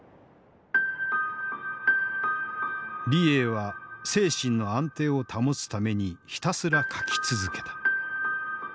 李鋭は精神の安定を保つためにひたすら書き続けた。